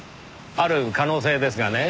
ある可能性ですがね。